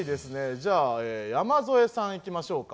じゃあ山添さんいきましょうか。